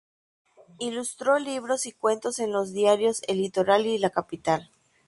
Ilustró libros y cuentos en los diarios El Litoral y La Capital.